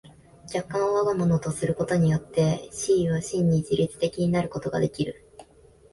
客観を我が物とすることによって思惟は真に自律的になることができる。